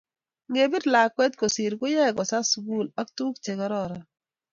ngepir lakuet kosir koyaei kosas sukul ak tukuk chekararan